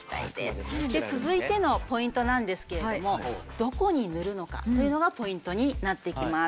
続いてのポイントなんですけれどもどこに塗るのかというのがポイントになってきます。